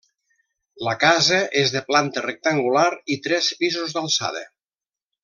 La casa és de planta rectangular i tres pisos d'alçada.